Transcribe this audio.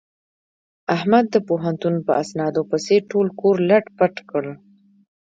احمد د پوهنتون په اسنادونو پسې ټول کور لت پت کړ.